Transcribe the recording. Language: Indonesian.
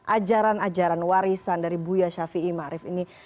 ajaran ajaran warisan dari buya syafi'i ma'rif ini